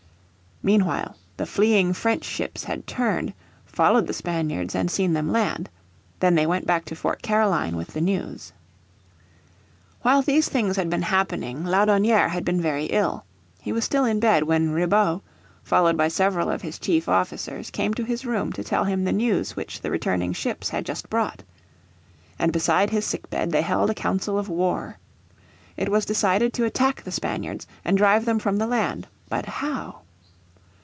Meanwhile, the fleeing French ships had turned, followed the Spaniards, and seen them land. Then they went back to Fort Caroline with the news. While these things had been happening Laudonnière had been very ill. He was still in bed when Ribaut, followed by several of his chief officers, came to his room to tell him the news which the returning ships had just brought. And beside his sickbed they held a council of war. It was decided to attack the Spaniards and drive them from the land. But how?